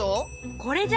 これじゃ。